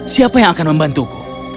siapa yang akan membantuku